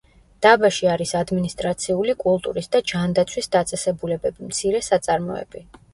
დაბაში არის ადმინისტრაციული, კულტურის და ჯანდაცვის დაწესებულებები, მცირე საწარმოები.